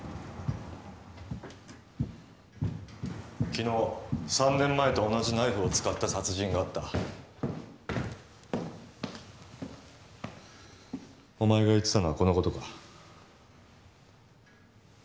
昨日３年前と同じナイフを使った殺人があったお前が言ってたのはこのことか？